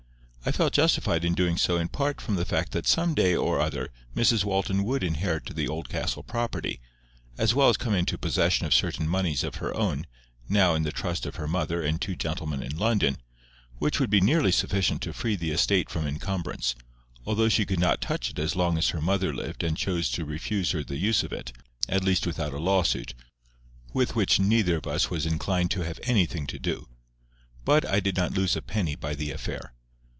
I felt justified in doing so in part from the fact that some day or other Mrs Walton would inherit the Oldcastle property, as well as come into possession of certain moneys of her own, now in the trust of her mother and two gentlemen in London, which would be nearly sufficient to free the estate from incumbrance, although she could not touch it as long as her mother lived and chose to refuse her the use of it, at least without a law suit, with which neither of us was inclined to have anything to do. But I did not lose a penny by the affair.